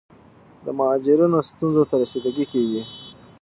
د مهاجرینو ستونزو ته رسیدګي کیږي.